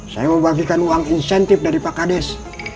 saya mau bagikan uang insentif dari pak kades